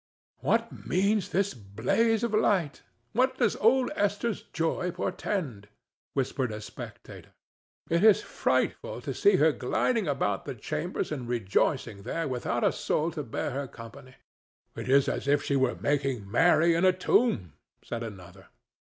"What means this blaze of light? What does old Esther's joy portend?" whispered a spectator. "It is frightful to see her gliding about the chambers and rejoicing there without a soul to bear her company." "It is as if she were making merry in a tomb," said another.